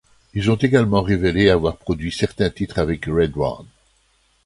Ils ont également révélé avoir produit certains titres avec RedOne.